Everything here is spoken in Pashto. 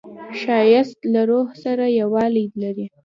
ښایست له روح سره یووالی لري